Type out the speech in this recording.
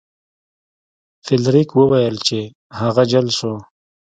فلیریک وویل چې هغه جل شو.